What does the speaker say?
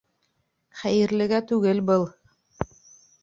Хәйерлегә түгел был.